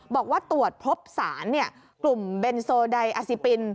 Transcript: บอกว่าตรวจพบสารกลุ่มเบนโซไดอาซิปิน